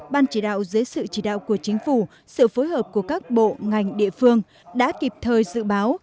ban chỉ đạo dưới sự chỉ đạo của chính phủ sự phối hợp của các bộ ngành địa phương đã kịp thời dự báo